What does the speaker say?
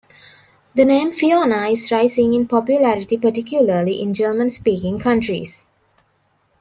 The name "Fiona" is rising in popularity particularly in German-speaking countries.